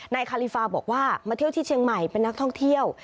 คาลิฟาบอกว่ามาเที่ยวที่เชียงใหม่เป็นนักท่องเที่ยว